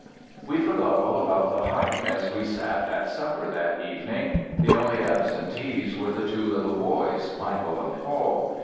We forgot all about the hike as we sat at supper that evening. The only absentees were the two little boys, Michael and Paul.